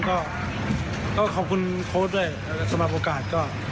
ก็ขอบคุณโค้ดด้วยสำหรับโอกาสก็